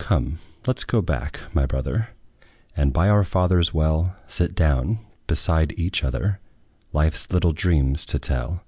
Come, let 's go back, my brother, And, by our father's well, Sit down beside each other, Life's little dreams to tell.